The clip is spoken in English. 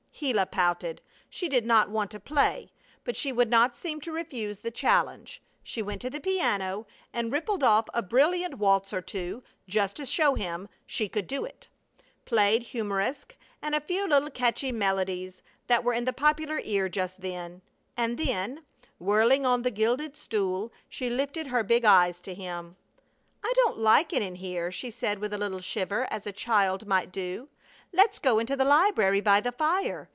Gila pouted. She did not want to play, but she would not seem to refuse the challenge. She went to the piano and rippled off a brilliant waltz or two, just to show him she could do it, played Humoresque, and a few little catchy melodies that were in the popular ear just then, and then, whirling on the gilded stool, she lifted her big eyes to him: "I don't like it in here," she said, with a little shiver, as a child might do; "let's go into the library by the fire.